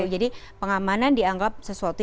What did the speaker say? jadi pengamanan dianggap sesuatu